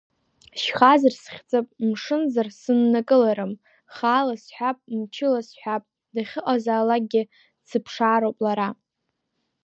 Шьхазар схьҵып, мшынзар сыннакыларым, хаала сҳәап, мчыла сҳәап, дахьыҟазаалакгьы дсыԥшаароуп лара!